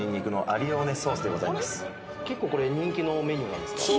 結構これ人気のメニューなんですか？